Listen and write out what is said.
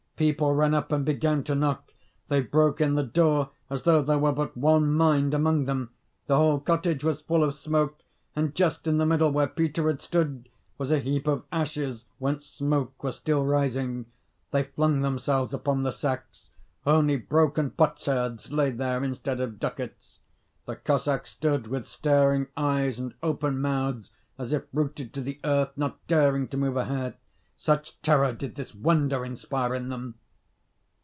People ran up, and began to knock: they broke in the door, as though there were but one mind among them. The whole cottage was full of smoke; and just in the middle, where Peter had stood, was a heap of ashes whence smoke was still rising. They flung themselves upon the sacks: only broken potsherds lay there instead of ducats. The Cossacks stood with staring eyes and open mouths, as if rooted to the earth, not daring to move a hair, such terror did this wonder inspire in them.